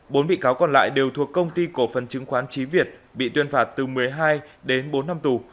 bốn bị cáo còn lại đều thuộc công ty cổ phần chứng khoán trí việt bị tuyên phạt từ một mươi hai đến bốn năm tù